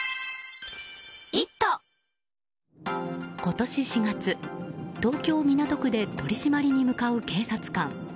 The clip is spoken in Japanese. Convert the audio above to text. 今年４月、東京・港区で取り締まりに向かう警察官。